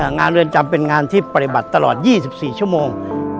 งานเรือนจำเป็นงานที่ปฏิบัติตลอด๒๔ชั่วโมง